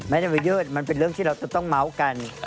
ไม่ได้มายืดมันเป็นเรื่องที่เราจะต้องเมาส์กัน